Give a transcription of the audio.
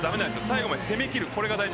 最後まで決めきる